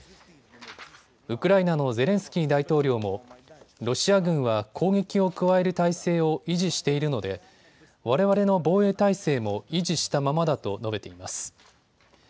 ウクライナのゼレンスキー大統領もロシア軍は攻撃を加える態勢を維持しているのでわれわれの防衛態勢も維持したままだと述べています。